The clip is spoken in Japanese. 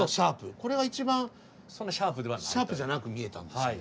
これが一番シャープじゃなく見えたんですよね。